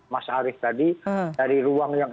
mas arief tadi dari ruang yang